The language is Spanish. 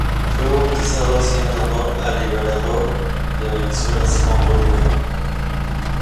Fue bautizado así en honor al Libertador de Venezuela Simón Bolívar.